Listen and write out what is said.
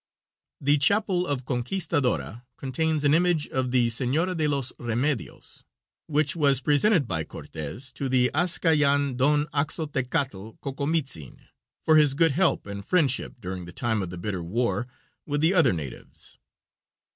The Chapel of Conquistadora contains an image of the Senora de los Remedios, which was presented by Cortes to the Hascallan, Don Axotecatl Cocomitzin, for his good help and friendship during the time of the bitter war with the other natives.